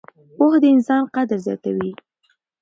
پوهه د انسان قدر زیاتوي.